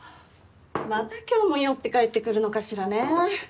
また今日も酔って帰ってくるのかしらね